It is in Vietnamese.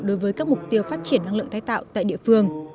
đối với các mục tiêu phát triển năng lượng tái tạo tại địa phương